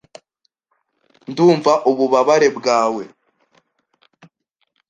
Ndumva ububabare bwawe .